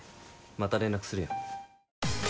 また連絡する。